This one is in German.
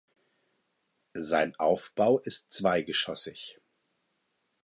Sein Aufbau ist zweigeschossig.